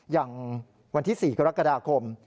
อย่างวันที่๔กรกฎาคม